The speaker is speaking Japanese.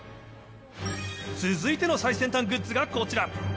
続いての最先端グッズがこちら。